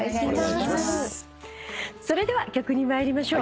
それでは曲に参りましょう。